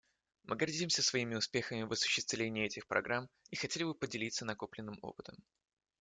Мы гордимся своими успехами в осуществлении этих программ и хотели бы поделиться накопленным опытом.